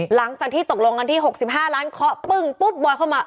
หลังจากที่ตกลงกันที่๖๕ล้านเคาะปึ้งปุ๊บบอยเข้ามา